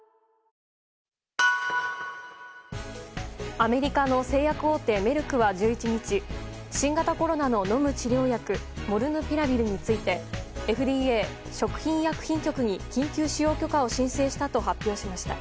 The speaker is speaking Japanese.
アメリカの製薬大手メルクは１１日新型コロナウイルスの飲む治療薬モルヌピラビルについてＦＤＡ・食品医薬品局に緊急使用許可を申請したと発表しました。